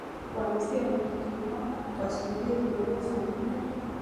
wamesema mkutano wao wa siku mbili uliofanyika